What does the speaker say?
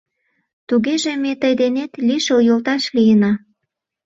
— Тугеже ме тый денет лишыл йолташ лийына...